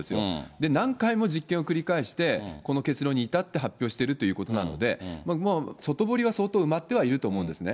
で、何回も実験を繰り返して、この結論に至って発表しているということなので、もう外堀は相当埋まってはいると思うんですね。